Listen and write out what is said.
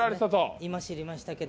今知りましたけど。